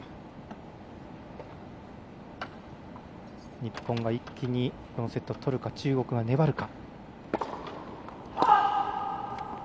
日本が一気にこのセットとるか中国が粘るか。